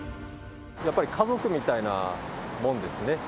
やっぱり家族みたいなもんですね。